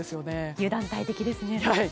油断大敵ですね。